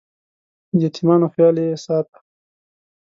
د یتیمانو خیال یې ساته.